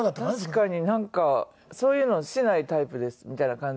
確かになんかそういうのしないタイプですみたいな感じで。